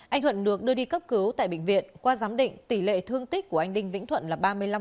anh thuận được đưa đi cấp cứu tại bệnh viện qua giám định tỷ lệ thương tích của anh đinh vĩnh thuận là ba mươi năm